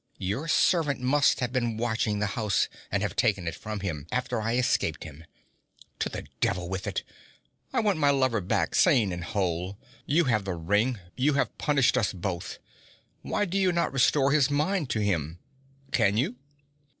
Your servant must have been watching the house, and have taken it from him, after I escaped him. To the devil with it! I want my lover back sane and whole. You have the ring; you have punished us both. Why do you not restore his mind to him? Can you?'